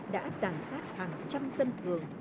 đã tàn sát hàng trăm dân thường